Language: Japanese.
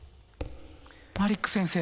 マリック先生！